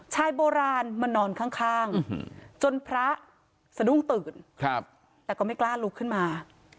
ชายโบราณมานอนข้างจนพระสะดุ้งตื่นแต่ก็ไม่กล้าลุกขึ้นมา